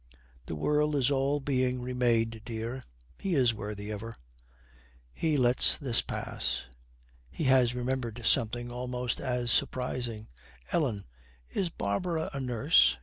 'The world is all being re made, dear. He is worthy of her.' He lets this pass. He has remembered something almost as surprising, 'Ellen, is Barbara a nurse?'